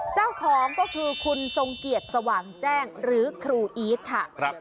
เจ้าของก็คือคุณทรงเกียจสว่างแจ้งหรือครูอีทค่ะ